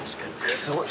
すごい。